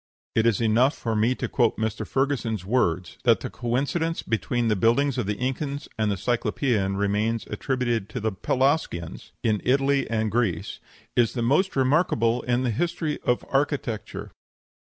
It is enough for me to quote Mr. Ferguson's words, that the coincidence between the buildings of the Incas and the Cyclopean remains attributed to the Pelasgians in Italy and Greece "is the most remarkable in the history of architecture."